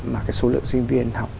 mà cái số lượng sinh viên học